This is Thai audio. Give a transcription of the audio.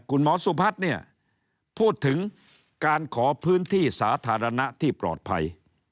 คุณหมอสุพัฒน์เนี่ยพูดถึงการขอพื้นที่สาธารณะที่ปลอดภัย